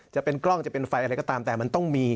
จะเป็นกล้องจะเป็นไฟอะไรก็ตามแต่มันต้องมี